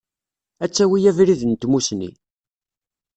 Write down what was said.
Ad tawi abrid n tmussni.